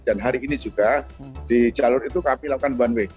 dan hari ini juga di jalur itu kami lakukan one way